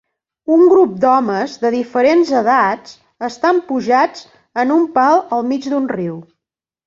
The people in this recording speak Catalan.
Un grup d'homes de diferents edats estan pujats en un pal al mig d'un riu.